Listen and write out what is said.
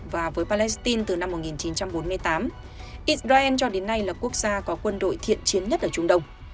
và với palestine từ năm một nghìn chín trăm bốn mươi tám israel cho đến nay là quốc gia có quân đội thiện chiến nhất ở trung đông